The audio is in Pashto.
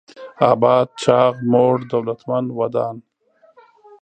اباد: چاغ، موړ، دولتمن، ودان